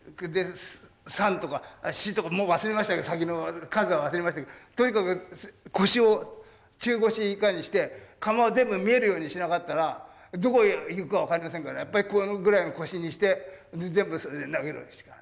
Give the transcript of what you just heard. もう忘れましたけど先の数は忘れましたけどとにかく腰を中腰以下にして窯を全部見えるようにしなかったらどこへいくか分かりませんからやっぱりこのぐらいの腰にして全部それで投げるわけですから。